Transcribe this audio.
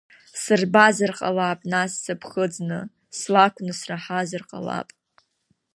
Сырбазар ҟалап нас сыԥхыӡны, слакәны сраҳазар ҟалап.